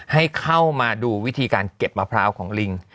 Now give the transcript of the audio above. ให้เข้ามาดูวิธีการเก็บมะพร้าวของลิง